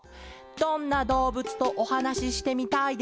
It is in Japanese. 「どんなどうぶつとおはなししてみたいですか？」